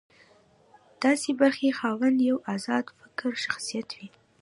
د سي برخې خاوند یو ازاد فکره شخصیت وي.